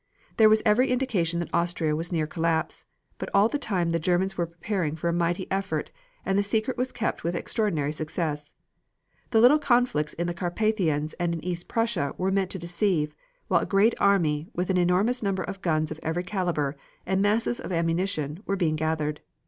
There was every indication that Austria was near collapse, but all the time the Germans were preparing for a mighty effort, and the secret was kept with extraordinary success. The little conflicts in the Carpathians and in East Prussia were meant to deceive, while a great army, with an enormous number of guns of every caliber, and masses of ammunition, were being gathered.